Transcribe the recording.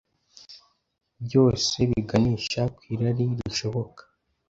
byoese biganisha kw'irari rishoboka